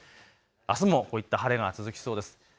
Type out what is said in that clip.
あすもこういった晴れが続きそうです。